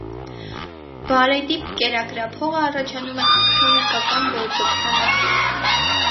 Բարետի կերակրափողը առաջանում է քրոնիկական բորբոքման արդյունքում։